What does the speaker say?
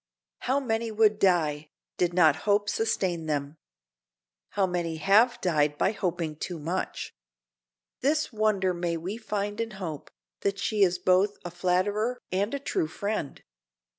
How many would die did not hope sustain them! How many have died by hoping too much! This wonder may we find in hope—that she is both a flatterer and a true friend.